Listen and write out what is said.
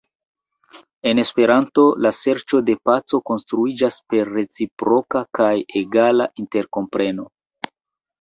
En Esperanto, la serĉo de paco konstruiĝas per reciproka kaj egala interkompreno.